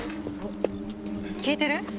聞いてる？